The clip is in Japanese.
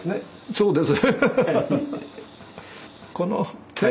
そうです。